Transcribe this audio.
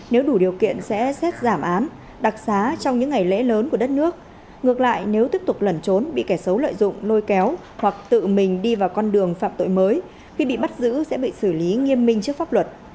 nếu đủ điều kiện sẽ xét giảm án đặc xá trong những ngày lễ lớn của đất nước ngược lại nếu tiếp tục lẩn trốn bị kẻ xấu lợi dụng lôi kéo hoặc tự mình đi vào con đường phạm tội mới khi bị bắt giữ sẽ bị xử lý nghiêm minh trước pháp luật